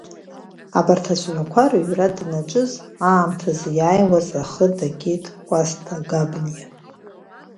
Абарҭ ацәаҳәақәа рыҩра данаҿыз аамҭазы иааиуаз ахы дагеит Кәасҭа Габниа.